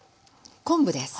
昆布です。